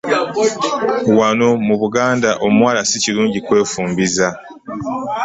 Wano mu Buganda omuwala si kirungi kwefumbiza.